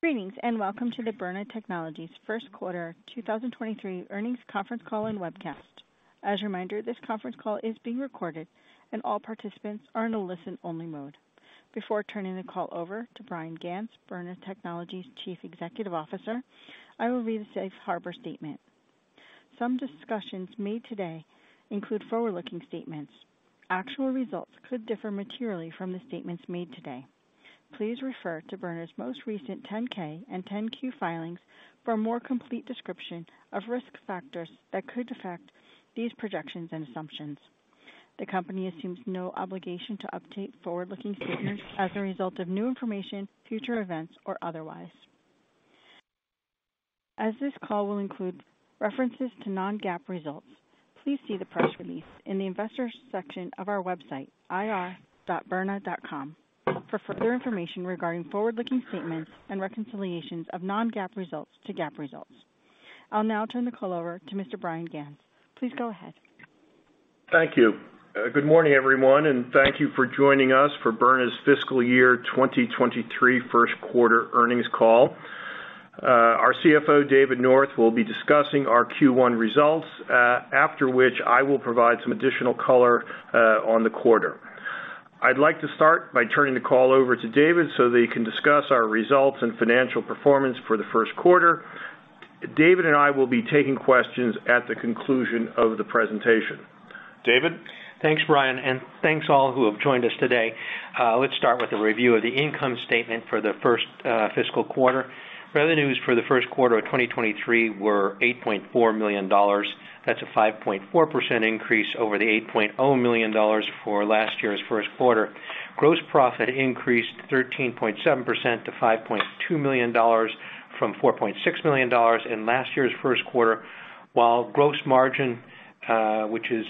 Greetings, welcome to the Byrna Technologies first quarter 2023 earnings conference call and webcast. As a reminder, this conference call is being recorded and all participants are in a listen only mode. Before turning the call over to Bryan Ganz, Byrna Technologies Chief Executive Officer, I will read the Safe Harbor statement. Some discussions made today include forward-looking statements. Actual results could differ materially from the statements made today. Please refer to Byrna's most recent 10-K and 10-Q filings for a more complete description of risk factors that could affect these projections and assumptions. The company assumes no obligation to update forward-looking statements as a result of new information, future events or otherwise. As this call will include references to non-GAAP results, please see the press release in the investor section of our website, ir.byrna.com for further information regarding forward-looking statements and reconciliations of non-GAAP results to GAAP results. I'll now turn the call over to Mr. Bryan Ganz. Please go ahead. Thank you. Good morning, everyone, thank you for joining us for Byrna's fiscal year 2023 first quarter earnings call. Our CFO, David North, will be discussing our Q1 results, after which I will provide some additional color on the quarter. I'd like to start by turning the call over to David so that he can discuss our results and financial performance for the first quarter. David and I will be taking questions at the conclusion of the presentation. David? Thanks, Bryan, thanks all who have joined us today. Let's start with a review of the income statement for the first fiscal quarter. Revenues for the first quarter of 2023 were $8.4 million. That's a 5.4% increase over the $8.0 million for last year's first quarter. Gross profit increased 13.7% to $5.2 million from $4.6 million in last year's first quarter. Gross margin, which is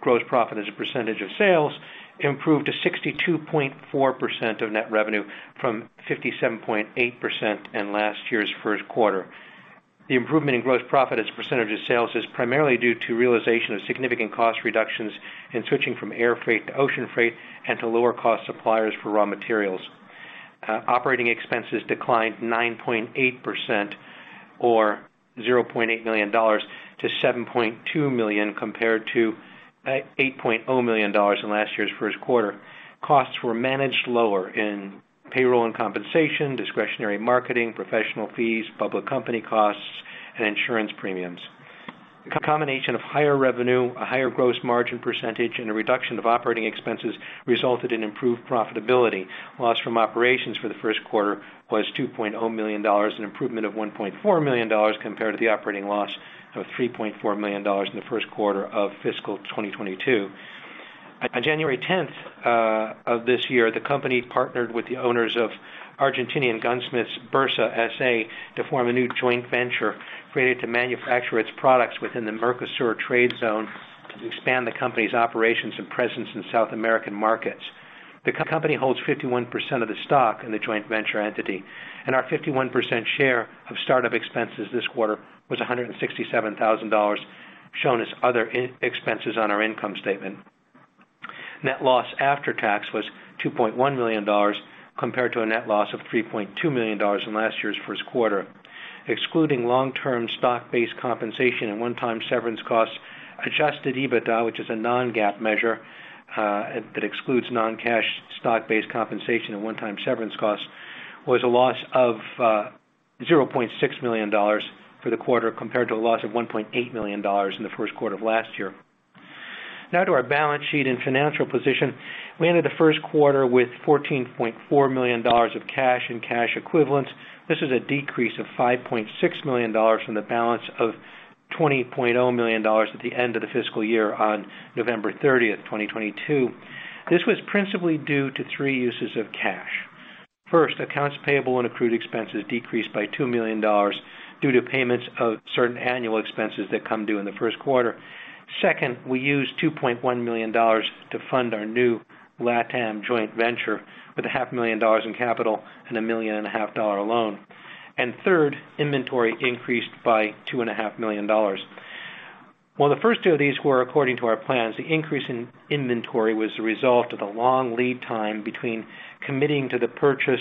gross profit as a percentage of sales, improved to 62.4% of net revenue from 57.8% in last year's first quarter. The improvement in gross profit as a percentage of sales is primarily due to realization of significant cost reductions in switching from air freight to ocean freight and to lower cost suppliers for raw materials. Operating expenses declined 9.8% or $0.8 million to $7.2 million, compared to $8.0 million in last year's first quarter. Costs were managed lower in payroll and compensation, discretionary marketing, professional fees, public company costs, and insurance premiums. Combination of higher revenue, a higher gross margin percentage, and a reduction of operating expenses resulted in improved profitability. Loss from operations for the first quarter was $2.0 million, an improvement of $1.4 million compared to the operating loss of $3.4 million in the first quarter of fiscal 2022. On January 10th of this year, the company partnered with the owners of Argentine gunsmith Bersa SA to form a new joint venture created to manufacture its products within the Mercosur trade zone to expand the company's operations and presence in South American markets. The company holds 51% of the stock in the joint venture entity, and our 51% share of startup expenses this quarter was $167,000, shown as other expenses on our income statement. Net loss after tax was $2.1 million, compared to a net loss of $3.2 million in last year's first quarter. Excluding long-term stock-based compensation and one-time severance costs, adjusted EBITDA, which is a non-GAAP measure, that excludes non-cash stock-based compensation and one-time severance costs, was a loss of $0.6 million for the quarter, compared to a loss of $1.8 million in the first quarter of last year. To our balance sheet and financial position. We ended the first quarter with $14.4 million of cash and cash equivalents. This is a decrease of $5.6 million from the balance of $20.0 million at the end of the fiscal year on November 30, 2022. This was principally due to three uses of cash. First, accounts payable and accrued expenses decreased by $2 million due to payments of certain annual expenses that come due in the first quarter. Second, we used $2.1 million to fund our new LatAm joint venture with a half a million dollars in capital and a $1.5 million loan. Third, inventory increased by $2.5 million. While the first two of these were according to our plans, the increase in inventory was the result of the long lead time between committing to the purchase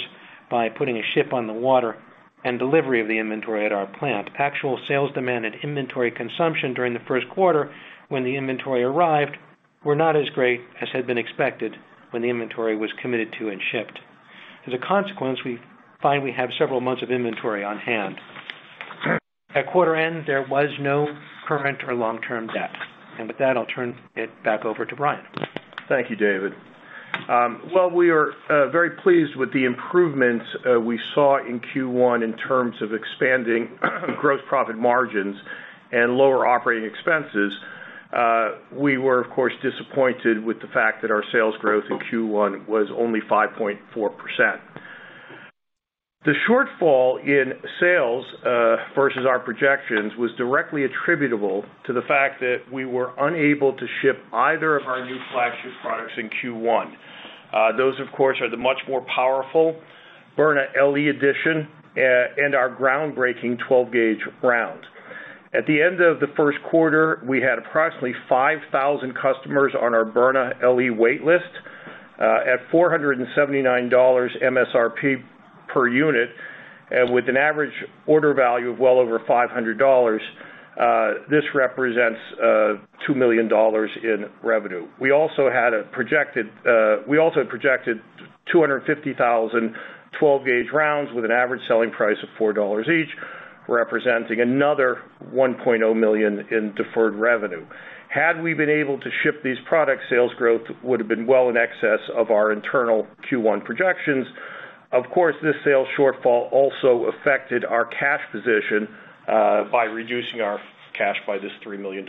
by putting a ship on the water and delivery of the inventory at our plant. Actual sales demand and inventory consumption during the first quarter when the inventory arrived were not as great as had been expected when the inventory was committed to and shipped. As a consequence, we finally have several months of inventory on hand. At quarter end, there was no current or long-term debt. With that, I'll turn it back over to Bryan. Thank you, David. While we are very pleased with the improvements we saw in Q1 in terms of expanding gross profit margins and lower operating expenses, we were of course disappointed with the fact that our sales growth in Q1 was only 5.4%. The shortfall in sales versus our projections was directly attributable to the fact that we were unable to ship either of our new flagship products in Q1. Those, of course, are the much more powerful Byrna LE Edition and our groundbreaking 12-Gauge Round. At the end of the first quarter, we had approximately 5,000 customers on our Byrna LE wait list at $479 MSRP per unit. With an average order value of well over $500, this represents $2 million in revenue. We also had projected 250,000 12-Gauge Rounds with an average selling price of $4 each, representing another $1.0 million in deferred revenue. Had we been able to ship these products, sales growth would have been well in excess of our internal Q1 projections. Of course, this sales shortfall also affected our cash position by reducing our cash by this $3 million.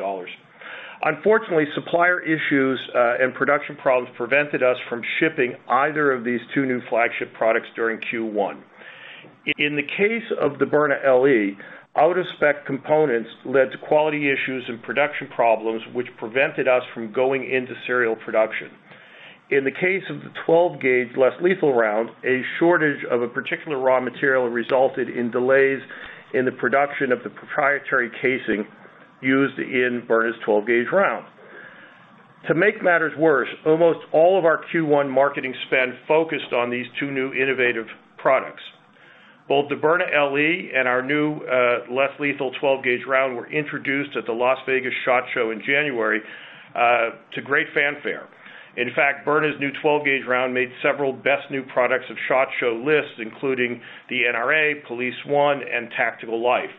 Unfortunately, supplier issues and production problems prevented us from shipping either of these two new flagship products during Q1. In the case of the Byrna LE, out-of-spec components led to quality issues and production problems, which prevented us from going into serial production. In the case of the 12-Gauge Less-Lethal Round, a shortage of a particular raw material resulted in delays in the production of the proprietary casing used in Byrna's 12-Gauge Round. To make matters worse, almost all of our Q1 marketing spend focused on these two new innovative products. Both the Byrna LE and our new 12-Gauge Less-Lethal Round were introduced at the Las Vegas SHOT Show in January to great fanfare. Byrna's new 12-Gauge Round made several best new products of SHOT Show lists, including the NRA, Police1, and Tactical Life.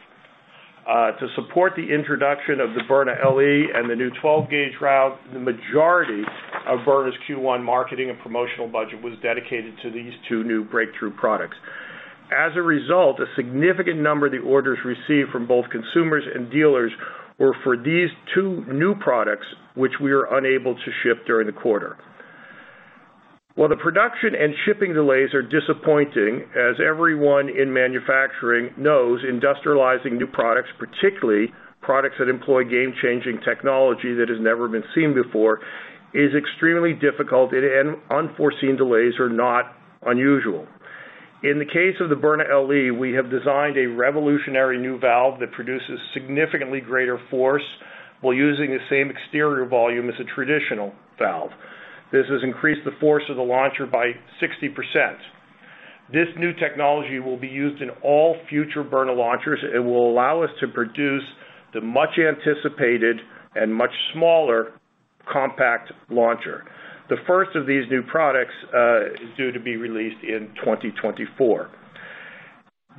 To support the introduction of the Byrna LE and the new 12-Gauge Round, the majority of Byrna's Q1 marketing and promotional budget was dedicated to these two new breakthrough products. As a result, a significant number of the orders received from both consumers and dealers were for these two new products, which we are unable to ship during the quarter. While the production and shipping delays are disappointing, as everyone in manufacturing knows, industrializing new products, particularly products that employ game-changing technology that has never been seen before, is extremely difficult, and unforeseen delays are not unusual. In the case of the Byrna LE, we have designed a revolutionary new valve that produces significantly greater force while using the same exterior volume as a traditional valve. This has increased the force of the launcher by 60%. This new technology will be used in all future Byrna launchers. It will allow us to produce the much-anticipated and much smaller Compact Launcher. The first of these new products, is due to be released in 2024.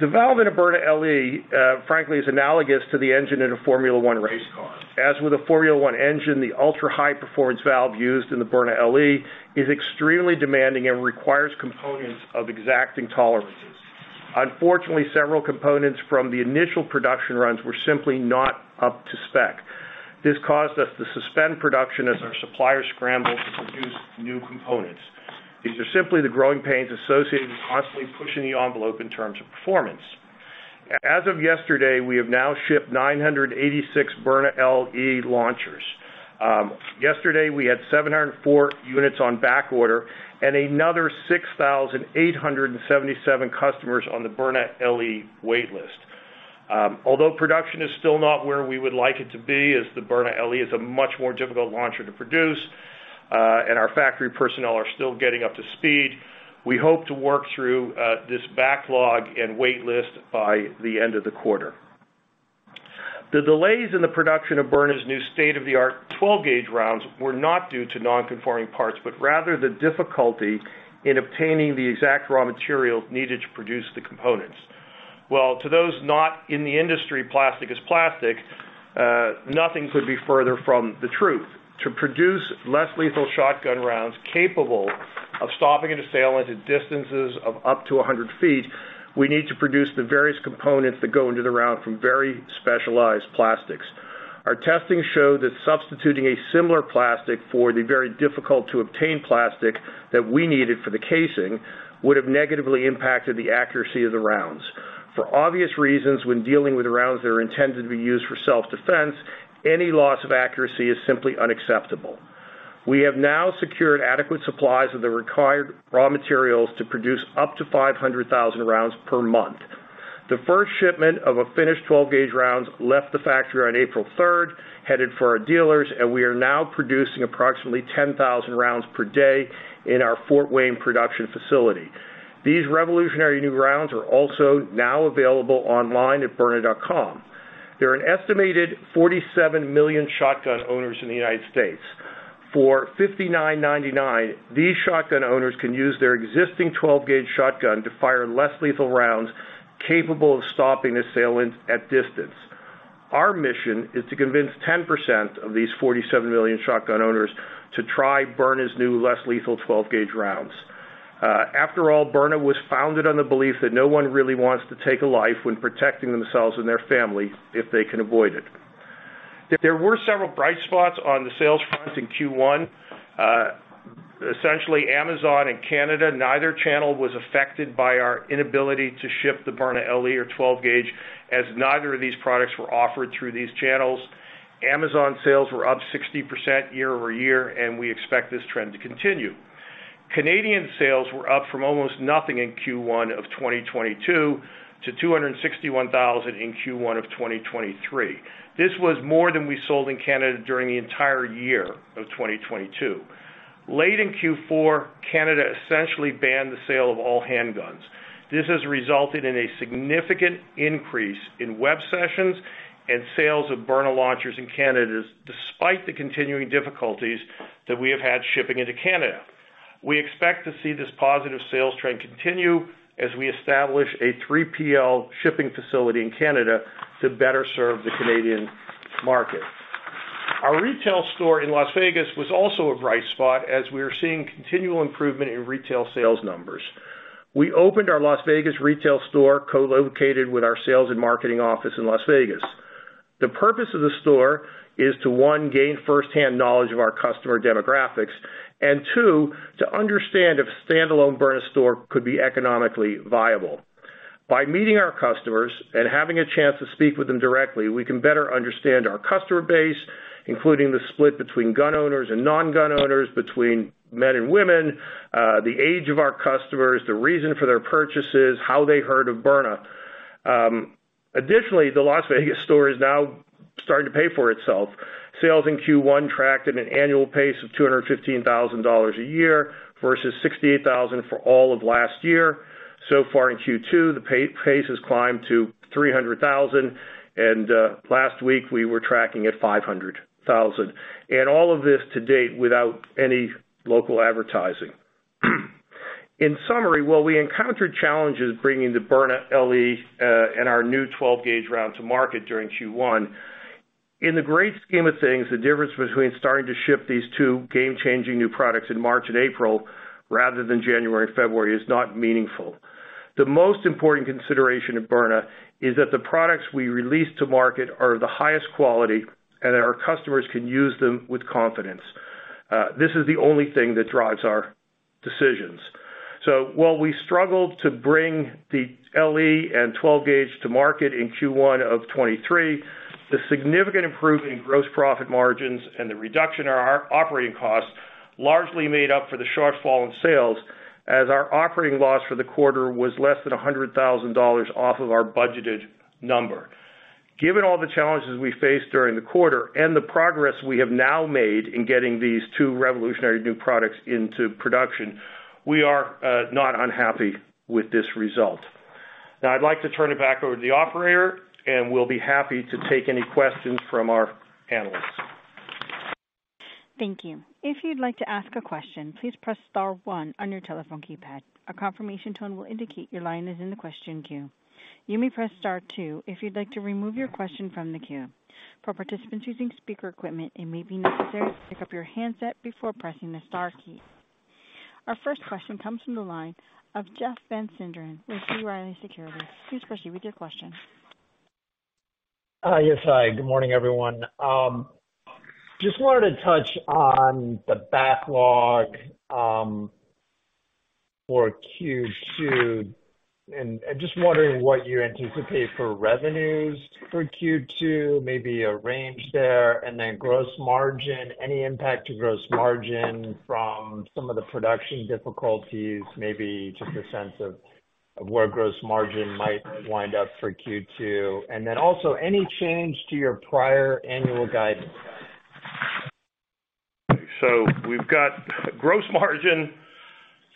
The valve in a Byrna LE, frankly, is analogous to the engine in a Formula One race car. As with a Formula One engine, the ultra-high performance valve used in the Byrna LE is extremely demanding and requires components of exacting tolerances. Unfortunately, several components from the initial production runs were simply not up to spec. This caused us to suspend production as our suppliers scrambled to produce new components. These are simply the growing pains associated with constantly pushing the envelope in terms of performance. As of yesterday, we have now shipped 986 Byrna LE launchers. Yesterday, we had 704 units on backorder and another 6,877 customers on the Byrna LE wait list. Although production is still not where we would like it to be, as the Byrna LE is a much more difficult launcher to produce, and our factory personnel are still getting up to speed, we hope to work through this backlog and wait list by the end of the quarter. The delays in the production of Byrna's new state-of-the-art 12-gauge rounds were not due to non-conforming parts, but rather the difficulty in obtaining the exact raw materials needed to produce the components. While to those not in the industry, plastic is plastic, nothing could be further from the truth. To produce less lethal shotgun rounds capable of stopping an assailant at distances of up to 100 feet, we need to produce the various components that go into the round from very specialized plastics. Our testing showed that substituting a similar plastic for the very difficult-to-obtain plastic that we needed for the casing would have negatively impacted the accuracy of the rounds. For obvious reasons, when dealing with rounds that are intended to be used for self-defense, any loss of accuracy is simply unacceptable. We have now secured adequate supplies of the required raw materials to produce up to 500,000 rounds per month. The first shipment of a finished 12-gauge rounds left the factory on April 3rd, headed for our dealers, and we are now producing approximately 10,000 rounds per day in our Fort Wayne production facility. These revolutionary new rounds are also now available online at byrna.com. There are an estimated 47 million shotgun owners in the United States. For $59.99, these shotgun owners can use their existing 12-gauge shotgun to fire less lethal rounds capable of stopping assailants at distance. Our mission is to convince 10% of these 47 million shotgun owners to try Byrna's new less lethal 12-gauge rounds. After all, Byrna was founded on the belief that no one really wants to take a life when protecting themselves and their family if they can avoid it. There were several bright spots on the sales front in Q1. Essentially, Amazon and Canada, neither channel was affected by our inability to ship the Byrna LE or 12-gauge, as neither of these products were offered through these channels. Amazon sales were up 60% year-over-year. We expect this trend to continue. Canadian sales were up from almost nothing in Q1 of 2022 to 261,000 in Q1 of 2023. This was more than we sold in Canada during the entire year of 2022. Late in Q4, Canada essentially banned the sale of all handguns. This has resulted in a significant increase in web sessions and sales of Byrna launchers in Canada, despite the continuing difficulties that we have had shipping into Canada. We expect to see this positive sales trend continue as we establish a 3PL shipping facility in Canada to better serve the Canadian market. Our retail store in Las Vegas was also a bright spot as we are seeing continual improvement in retail sales numbers. We opened our Las Vegas retail store co-located with our sales and marketing office in Las Vegas. The purpose of the store is to, one, gain firsthand knowledge of our customer demographics, two, to understand if a standalone Byrna store could be economically viable. By meeting our customers and having a chance to speak with them directly, we can better understand our customer base, including the split between gun owners and non-gun owners, between men and women, the age of our customers, the reason for their purchases, how they heard of Byrna. Additionally, the Las Vegas store is now starting to pay for itself. Sales in Q1 tracked at an annual pace of $215,000 a year versus $68,000 for all of last year. So far in Q2, the pace has climbed to $300,000, and last week we were tracking at $500,000. All of this to date without any local advertising. In summary, while we encountered challenges bringing the Byrna LE and our new 12-Gauge Round to market during Q1, in the great scheme of things, the difference between starting to ship these two game-changing new products in March and April rather than January and February is not meaningful. The most important consideration at Byrna is that the products we release to market are of the highest quality and that our customers can use them with confidence. This is the only thing that drives our decisions. While we struggled to bring the LE and 12-Gauge to market in Q1 of 2023, the significant improvement in gross profit margins and the reduction in our operating costs largely made up for the shortfall in sales as our operating loss for the quarter was less than $100,000 off of our budgeted number. Given all the challenges we faced during the quarter and the progress we have now made in getting these two revolutionary new products into production, we are not unhappy with this result. I'd like to turn it back over to the operator, and we'll be happy to take any questions from our panelists. Thank you. If you'd like to ask a question, please press star one on your telephone keypad. A confirmation tone will indicate your line is in the question queue. You may press star two if you'd like to remove your question from the queue. For participants using speaker equipment, it may be necessary to pick up your handset before pressing the star key. Our first question comes from the line of Jeff Van Sinderen with B. Riley Securities. Please proceed with your question. Yes, hi. Good morning, everyone. Just wanted to touch on the backlog for Q2, and just wondering what you anticipate for revenues for Q2, maybe a range there, and then gross margin, any impact to gross margin from some of the production difficulties, maybe just a sense of where gross margin might wind up for Q2. Also any change to your prior annual guidance. We've got gross margin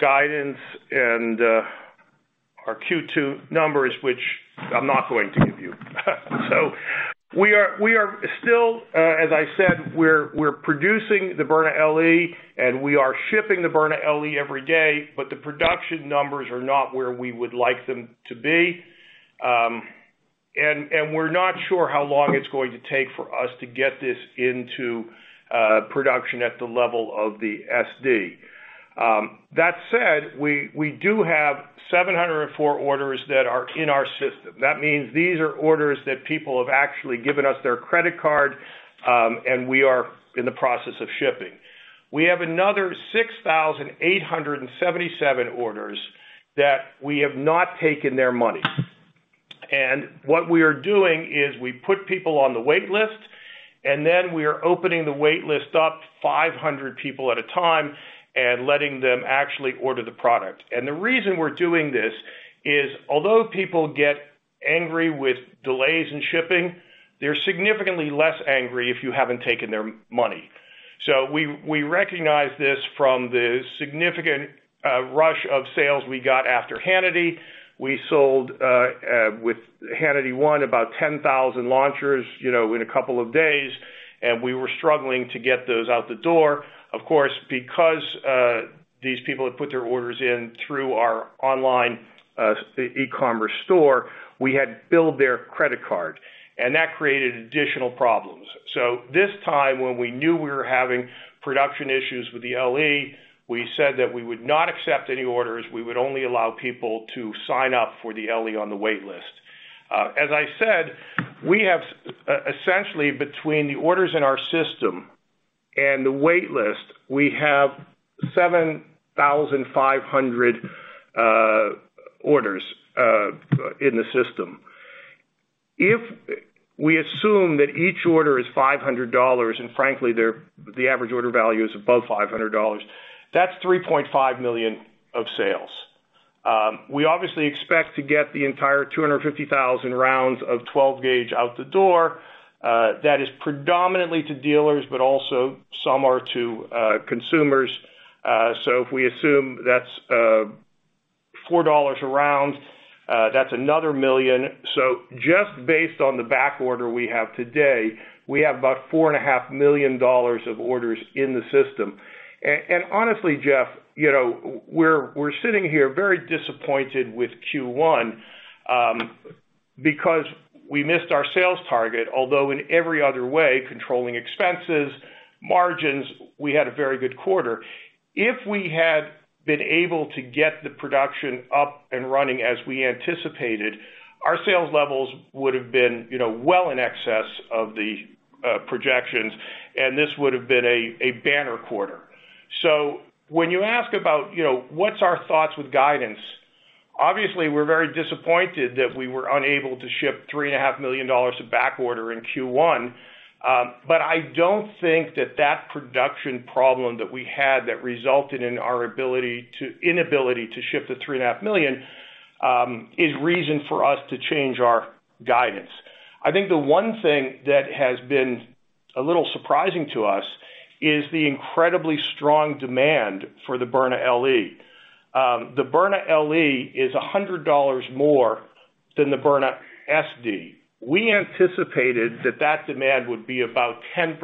guidance and our Q2 numbers, which I'm not going to give you. We are still, as I said, we're producing the Byrna LE, and we are shipping the Byrna LE every day, but the production numbers are not where we would like them to be. And we're not sure how long it's going to take for us to get this into production at the level of the SD. That said, we do have 704 orders that are in our system. That means these are orders that people have actually given us their credit card, and we are in the process of shipping. We have another 6,877 orders that we have not taken their money. What we are doing is we put people on the wait list, then we are opening the wait list up 500 people at a time and letting them actually order the product. The reason we're doing this is, although people get angry with delays in shipping, they're significantly less angry if you haven't taken their money. We recognize this from the significant rush of sales we got after Hannity. We sold with Hannity one about 10,000 launchers, you know, in a couple of days, and we were struggling to get those out the door. Of course, because these people had put their orders in through our online e-commerce store, we had to bill their credit card, and that created additional problems. This time, when we knew we were having production issues with the Byrna LE, we said that we would not accept any orders. We would only allow people to sign up for the Byrna LE on the wait list. As I said, we have, essentially between the orders in our system and the wait list, we have 7,500 orders in the system. If we assume that each order is $500, and frankly, the average order value is above $500, that's $3.5 million of sales. We obviously expect to get the entire 250,000 rounds of 12-Gauge out the door. That is predominantly to dealers, but also some are to consumers. If we assume that's $4 a round, that's another $1 million. Just based on the back order we have today, we have about four and a half million dollars of orders in the system. Honestly, Jeff, you know, we're sitting here very disappointed with Q1 because we missed our sales target, although in every other way, controlling expenses, margins, we had a very good quarter. If we had been able to get the production up and running as we anticipated, our sales levels would have been, you know, well in excess of the projections, and this would have been a banner quarter. When you ask about, you know, what's our thoughts with guidance, obviously, we're very disappointed that we were unable to ship three and a half million dollars of back order in Q1. I don't think that that production problem that we had that resulted in our inability to ship the $3.5 million is reason for us to change our guidance. I think the one thing that has been a little surprising to us is the incredibly strong demand for the Byrna LE. The Byrna LE is $100 more than the Byrna SD. We anticipated that that demand would be about 10%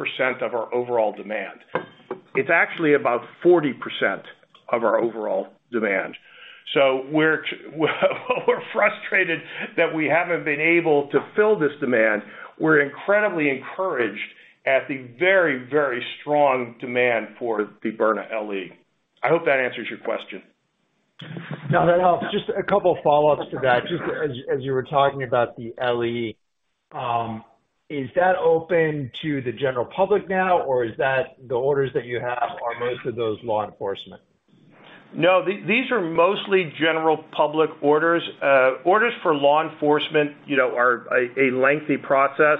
of our overall demand. It's actually about 40% of our overall demand. We're frustrated that we haven't been able to fill this demand. We're incredibly encouraged at the very, very strong demand for the Byrna LE. I hope that answers your question. That helps. Just a couple of follow-ups to that. Just as you were talking about the Byrna LE. Is that open to the general public now, or is that the orders that you have are most of those law enforcement? No, these are mostly general public orders. orders for law enforcement, you know, are a lengthy process.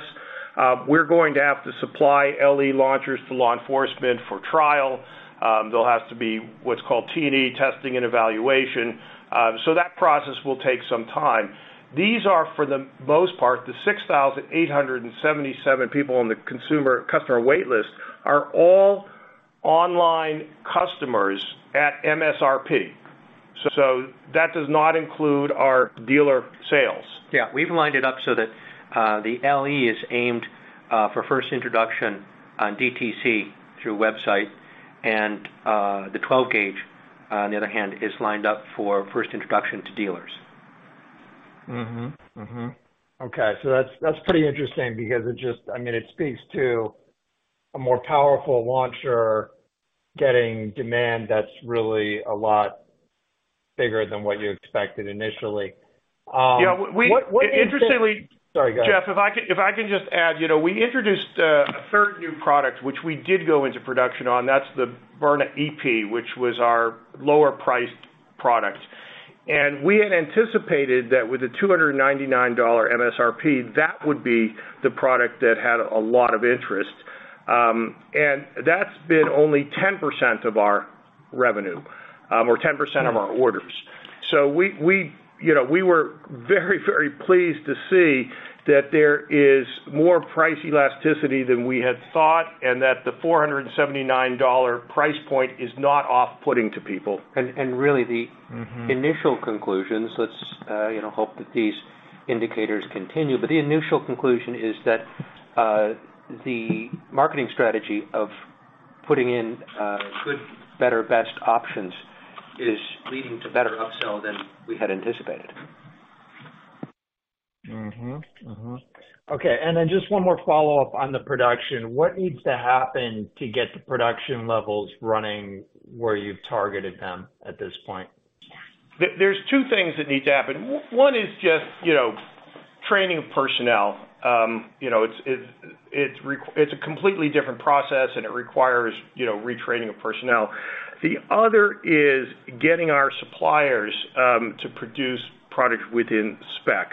we're going to have to supply LE launchers to law enforcement for trial. there'll have to be what's called T&E, testing and evaluation. that process will take some time. These are, for the most part, the 6,877 people on the customer wait list are all online customers at MSRP. That does not include our dealer sales. Yeah. We've lined it up so that, the LE is aimed, for first introduction on DTC through website. The 12-Gauge, on the other hand, is lined up for first introduction to dealers. Okay. That's pretty interesting because I mean, it speaks to a more powerful launcher getting demand that's really a lot bigger than what you expected initially. Yeah. What do you think? Interestingly- Sorry, go ahead. Jeff, if I can just add, you know, we introduced a third new product, which we did go into production on. That's the Byrna EP, which was our lower-priced product. We had anticipated that with the $299 MSRP, that would be the product that had a lot of interest. That's been only 10% of our revenue, or 10% of our orders. We, you know, we were very pleased to see that there is more price elasticity than we had thought, and that the $479 price point is not off-putting to people. Really the initial conclusions, let's, you know, hope that these indicators continue, but the initial conclusion is that, the marketing strategy of putting in, good, better, best options is leading to better upsell than we had anticipated. Mm-hmm. Mm-hmm. Okay. Then just one more follow-up on the production. What needs to happen to get the production levels running where you've targeted them at this point? There's two things that need to happen. One is just, you know, training personnel. You know, it's a completely different process, and it requires, you know, retraining of personnel. The other is getting our suppliers to produce product within spec.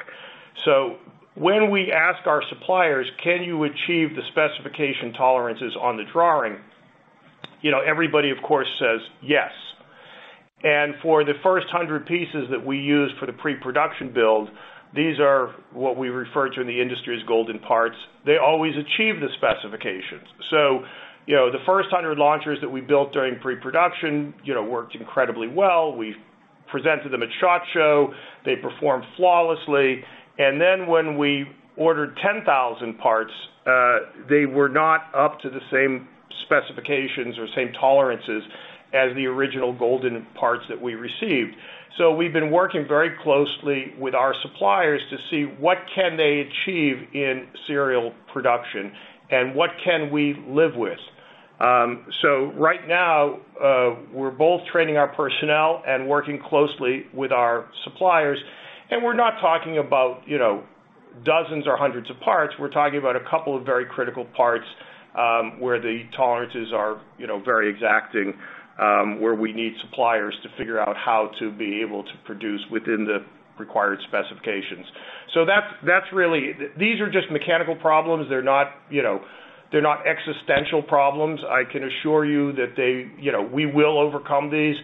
When we ask our suppliers, "Can you achieve the specification tolerances on the drawing?" You know, everybody, of course, says, "Yes." For the first 100 pieces that we use for the pre-production build, these are what we refer to in the industry as golden parts. They always achieve the specifications. You know, the first 100 launchers that we built during pre-production, you know, worked incredibly well. We presented them at SHOT Show. They performed flawlessly. When we ordered 10,000 parts, they were not up to the same specifications or same tolerances as the original golden parts that we received. We've been working very closely with our suppliers to see what can they achieve in serial production and what can we live with. Right now, we're both training our personnel and working closely with our suppliers, and we're not talking about, you know, dozens or hundreds of parts. We're talking about a couple of very critical parts, where the tolerances are, you know, very exacting, where we need suppliers to figure out how to be able to produce within the required specifications. That's really. These are just mechanical problems. They're not, you know, they're not existential problems. I can assure you that, you know, we will overcome these.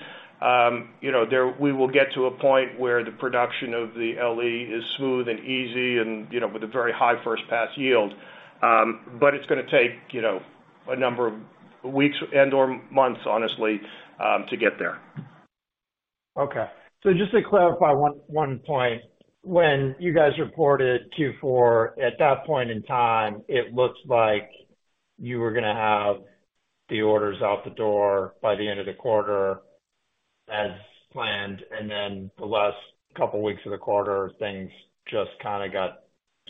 You know, we will get to a point where the production of the Byrna LE is smooth and easy and, you know, with a very high first pass yield. It's gonna take, you know, a number of weeks and/or months, honestly, to get there. Okay. Just to clarify one point. When you guys reported Q4, at that point in time, it looked like you were gonna have the orders out the door by the end of the quarter as planned, and then the last couple of weeks of the quarter, things just kinda got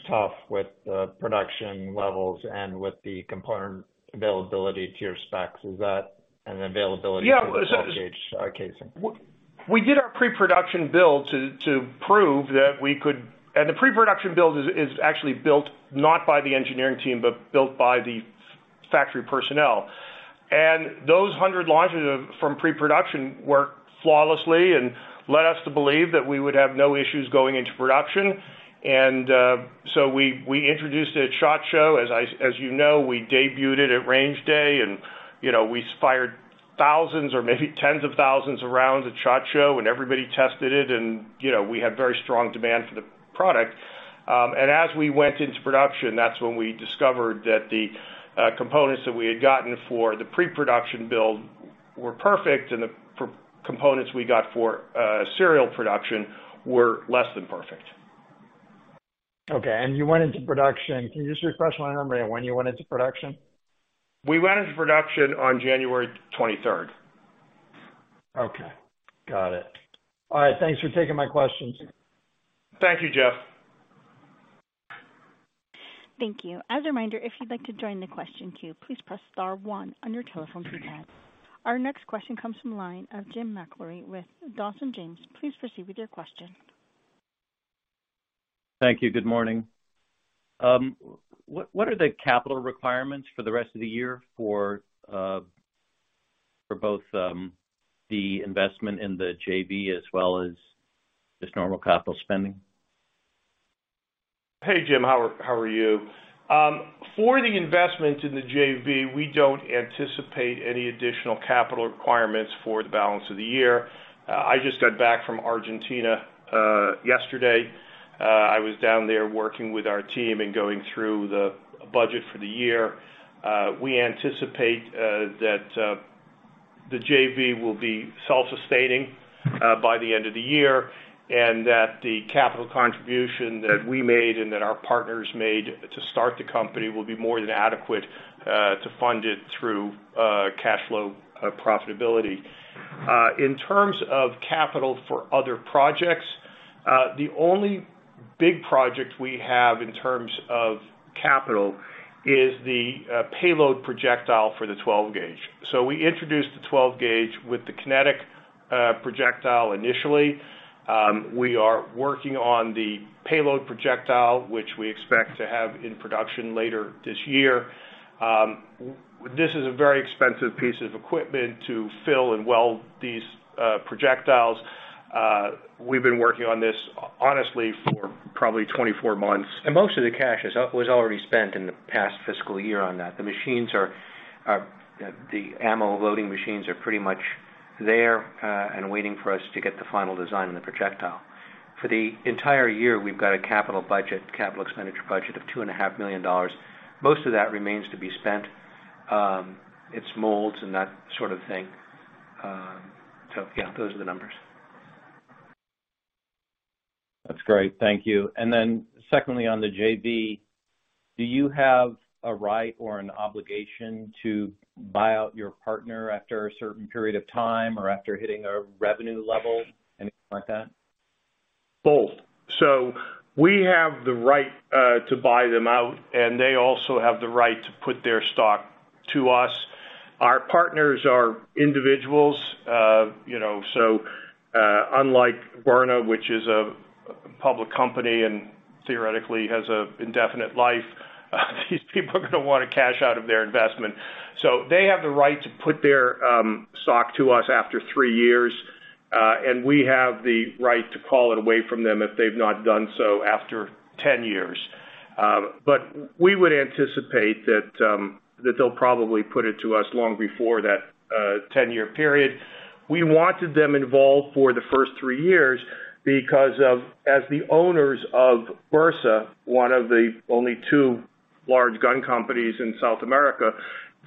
tough with the production levels and with the component availability to your specs. Is that? And availability? Yeah. To the full gauge, casing. We did our pre-production build to prove that we could. The pre-production build is actually built not by the engineering team, but built by the factory personnel. Those 100 launches from pre-production worked flawlessly and led us to believe that we would have no issues going into production. We introduced at SHOT Show. As you know, we debuted at Range Day, you know, we fired thousands or maybe tens of thousands of rounds at SHOT Show, everybody tested it. You know, we had very strong demand for the product. As we went into production, that's when we discovered that the components that we had gotten for the pre-production build were perfect, and the components we got for serial production were less than perfect. Okay. You went into production. Can you just refresh my memory on when you went into production? We went into production on January 23rd. Okay. Got it. All right, thanks for taking my questions. Thank you, Jeff. Thank you. As a reminder, if you'd like to join the question queue, please press star one on your telephone keypad. Our next question comes from line of James McIlree with Dawson James. Please proceed with your question. Thank you. Good morning. What are the capital requirements for the rest of the year for both the investment in the JV as well as just normal capital spending? Hey, Jim, how are you? For the investment in the JV, we don't anticipate any additional capital requirements for the balance of the year. I just got back from Argentina yesterday. I was down there working with our team and going through the budget for the year. We anticipate that the JV will be self-sustaining by the end of the year, and that the capital contribution that we made and that our partners made to start the company will be more than adequate to fund it through cash flow profitability. In terms of capital for other projects, the only big project we have in terms of capital is the payload projectile for the 12-Gauge. We introduced the 12-Gauge with the Kinetic projectile initially. We are working on the payload projectile, which we expect to have in production later this year. This is a very expensive piece of equipment to fill and weld these projectiles. We've been working on this, honestly for probably 24 months. Most of the cash was already spent in the past fiscal year on that. The ammo loading machines are pretty much there, waiting for us to get the final design on the projectile. For the entire year, we've got a capital expenditure budget of $2.5 million. Most of that remains to be spent. It's molds and that sort of thing. Yeah, those are the numbers. That's great. Thank you. Secondly, on the JV, do you have a right or an obligation to buy out your partner after a certain period of time or after hitting a revenue level, anything like that? Both. We have the right to buy them out, and they also have the right to put their stock to us. Our partners are individuals, you know. Unlike Byrna, which is a public company and theoretically has an indefinite life, these people are gonna wanna cash out of their investment. They have the right to put their stock to us after 3 years, and we have the right to call it away from them if they've not done so after 10 years. We would anticipate that they'll probably put it to us long before that 10-year period. We wanted them involved for the first three years because of, as the owners of Bersa, one of the only two large gun companies in South America,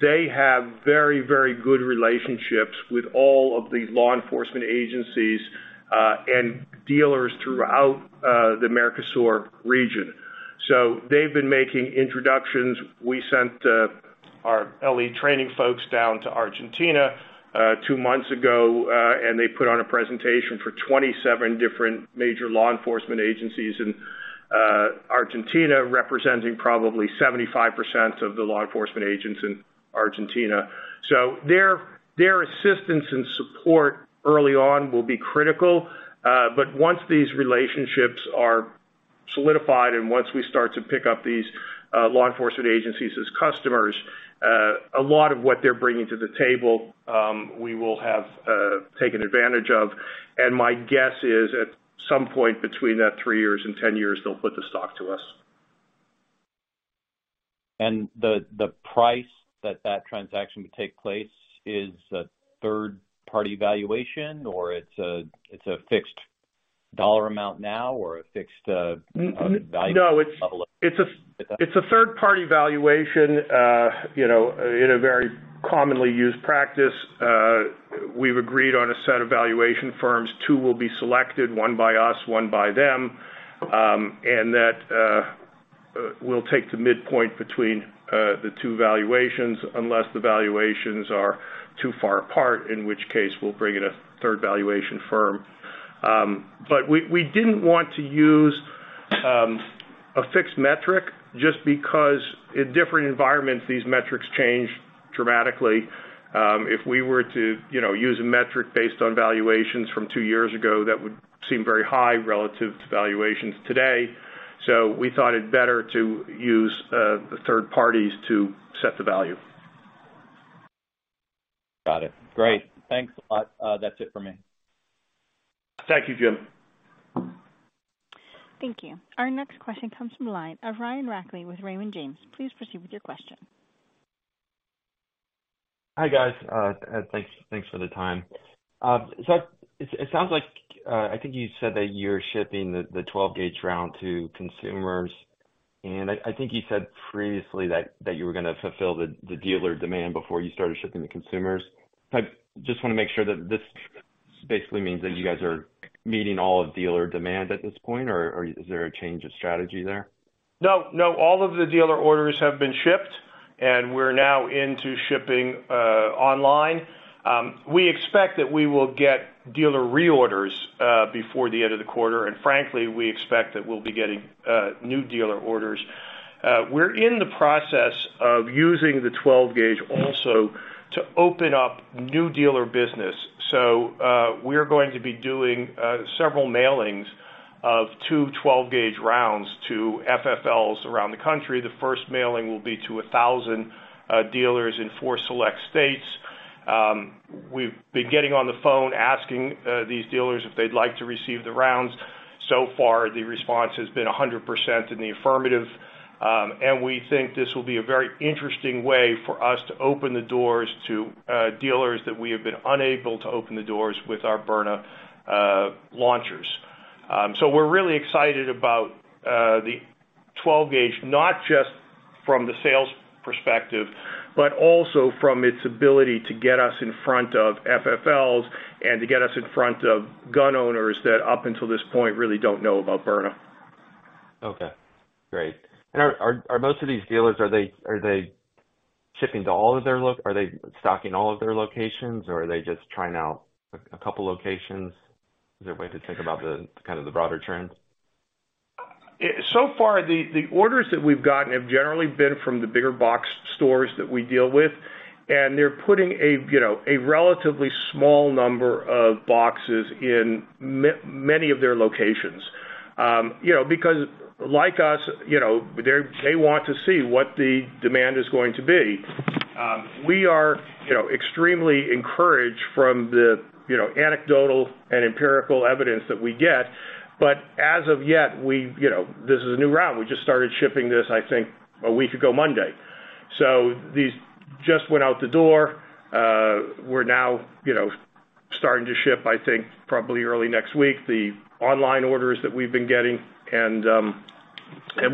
they have very, very good relationships with all of the law enforcement agencies and dealers throughout the Mercosur region. They've been making introductions. We sent our LE training folks down to Argentina two months ago, and they put on a presentation for 27 different major law enforcement agencies in Argentina, representing probably 75% of the law enforcement agents in Argentina. Their assistance and support early on will be critical, but once these relationships are solidified, and once we start to pick up these law enforcement agencies as customers, a lot of what they're bringing to the table, we will have taken advantage of. My guess is, at some point between that 3 years and 10 years, they'll flip the stock to us. The price that that transaction would take place is a third-party valuation, or it's a fixed dollar amount now or a fixed. It's a third-party valuation. You know, in a very commonly used practice, we've agreed on a set of valuation firms. Two will be selected, one by us, one by them. That, we'll take the midpoint between the two valuations unless the valuations are too far apart, in which case we'll bring in a third valuation firm. We didn't want to use a fixed metric just because in different environments, these metrics change dramatically. If we were to, you know, use a metric based on valuations from two years ago, that would seem very high relative to valuations today. We thought it better to use the third parties to set the value. Got it. Great. Thanks a lot. That's it for me. Thank you, Jim. Thank you. Our next question comes from the line of Ryan Rackley with Raymond James. Please proceed with your question. Hi, guys. Thanks, thanks for the time. It sounds like, I think you said that you're shipping the 12-gauge round to consumers, and I think you said previously that you were gonna fulfill the dealer demand before you started shipping to consumers. I just wanna make sure that this basically means that you guys are meeting all of dealer demand at this point, or is there a change of strategy there? No, all of the dealer orders have been shipped. We're now into shipping online. We expect that we will get dealer reorders before the end of the quarter. Frankly, we expect that we'll be getting new dealer orders. We're in the process of using the 12-Gauge also to open up new dealer business. We're going to be doing several mailings of two 12-Gauge rounds to FFLs around the country. The first mailing will be to 1,000 dealers in four select states. We've been getting on the phone, asking these dealers if they'd like to receive the rounds. So far, the response has been 100% in the affirmative. We think this will be a very interesting way for us to open the doors to dealers that we have been unable to open the doors with our Byrna launchers. We're really excited about the 12-Gauge, not just from the sales perspective, but also from its ability to get us in front of FFLs and to get us in front of gun owners that up until this point, really don't know about Byrna. Okay. Great. Are most of these dealers, are they shipping to all of their locations, or are they just trying out a couple locations? Is there a way to think about kind of the broader trends? So far the orders that we've gotten have generally been from the bigger box stores that we deal with, and they're putting a, you know, a relatively small number of boxes in many of their locations. You know, because like us, you know, they want to see what the demand is going to be. We are, you know, extremely encouraged from the, you know, anecdotal and empirical evidence that we get. As of yet, we, you know, this is a new route. We just started shipping this, I think, a week ago Monday. These just went out the door. We're now, you know, starting to ship, I think, probably early next week, the online orders that we've been getting, and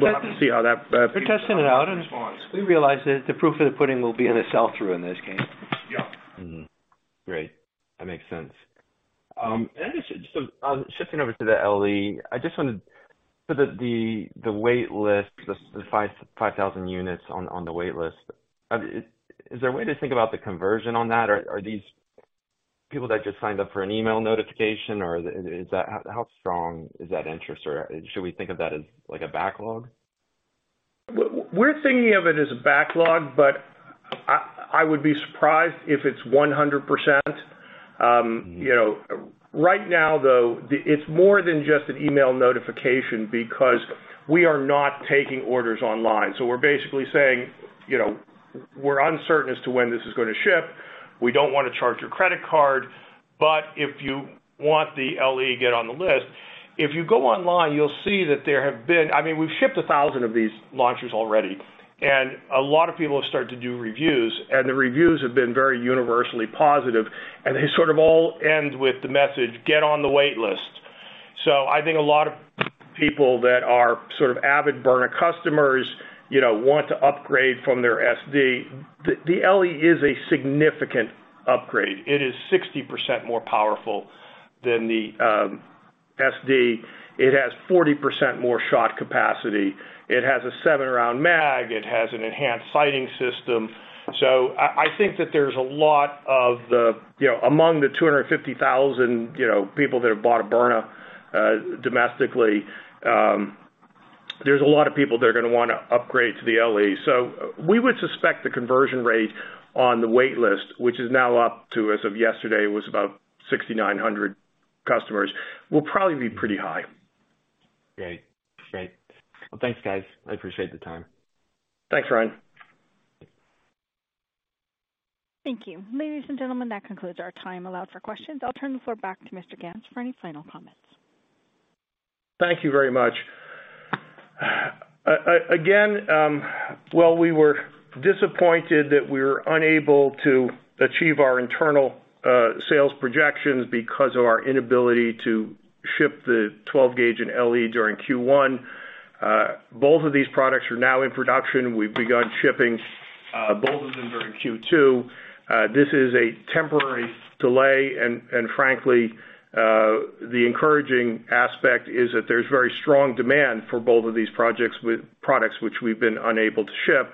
we'll have to see how that. We're testing it out, and we realize that the proof of the pudding will be in the sell-through in this game. Yeah. Mm-hmm. Great. That makes sense. Just shifting over to the LE, I just wanted for the wait list, the 5,000 units on the wait list, is there a way to think about the conversion on that? Are these people that just signed up for an email notification or is that, how strong is that interest, or should we think of that as like a backlog? We're thinking of it as a backlog, but I would be surprised if it's 100%. You know, right now, though, it's more than just an email notification because we are not taking orders online. We're basically saying, you know, we're uncertain as to when this is gonna ship. We don't wanna charge your credit card, but if you want the LE, get on the list. If you go online, you'll see that I mean, we've shipped 1,000 of these launchers already, and a lot of people have started to do reviews, and the reviews have been very universally positive, and they sort of all end with the message, "Get on the wait list." I think a lot of people that are sort of avid Byrna customers, you know, want to upgrade from their SD. The LE is a significant upgrade. It is 60% more powerful than the SD. It has 40% more shot capacity. It has a 7-round mag. It has an enhanced sighting system. I think that there's a lot of the, you know, among the 250,000, you know, people that have bought a Byrna domestically, there's a lot of people that are gonna wanna upgrade to the LE. We would suspect the conversion rate on the wait list, which is now up to as of yesterday, was about 6,900 customers, will probably be pretty high. Great. Well, thanks, guys. I appreciate the time. Thanks, Ryan. Thank you. Ladies and gentlemen, that concludes our time allowed for questions. I'll turn the floor back to Mr. Ganz for any final comments. Thank you very much. Again, while we were disappointed that we were unable to achieve our internal sales projections because of our inability to ship the 12-Gauge and LE during Q1, both of these products are now in production. We've begun shipping both of them during Q2. This is a temporary delay, and frankly, the encouraging aspect is that there's very strong demand for both of these products which we've been unable to ship.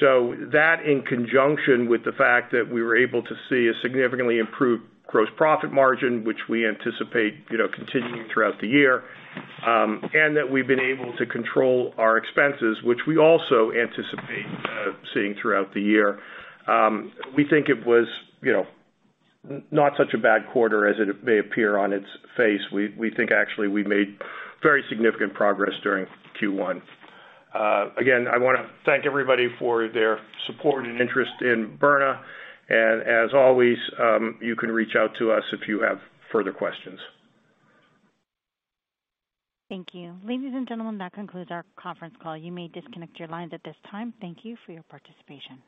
That in conjunction with the fact that we were able to see a significantly improved gross profit margin, which we anticipate, you know, continuing throughout the year, and that we've been able to control our expenses, which we also anticipate seeing throughout the year. We think it was, you know, not such a bad quarter as it may appear on its face. We think actually we made very significant progress during Q1. Again, I wanna thank everybody for their support and interest in Byrna, and as always, you can reach out to us if you have further questions. Thank you. Ladies and gentlemen, that concludes our conference call. You may disconnect your lines at this time. Thank you for your participation.